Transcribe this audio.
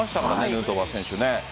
ヌートバー選手。